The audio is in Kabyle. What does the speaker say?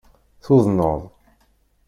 Tuḍneḍ?